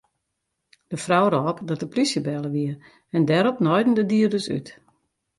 De frou rôp dat de plysje belle wie en dêrop naaiden de dieders út.